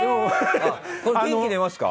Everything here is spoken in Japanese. これ元気出ますか？